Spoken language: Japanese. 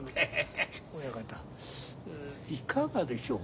親方いかがでしょう。